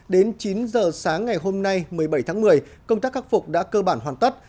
đến chín giờ sáng ngày hôm nay một mươi bảy tháng một mươi công tác khắc phục đã cơ bản hoàn tất